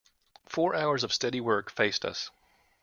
Four hours of steady work faced us.